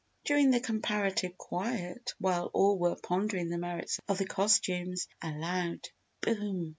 During the comparative quiet while all were pondering the merits of the costumes, a loud "Boom!